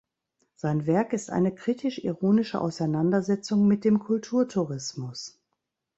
Sein Werk ist eine kritisch-ironische Auseinandersetzung mit dem Kulturtourismus.